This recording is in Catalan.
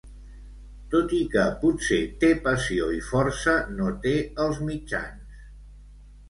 Tot i que potser té passió i força, no té els mitjans.